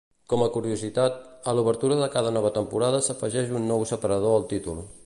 Com a curiositat, a l'obertura de cada nova temporada s'afegeix un nou separador al títol.